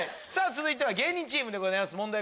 続いては芸人チームでございます問題